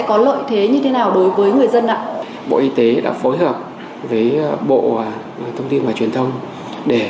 có lợi thế như thế nào đối với người dân ạ bộ y tế đã phối hợp với bộ thông tin và truyền thông để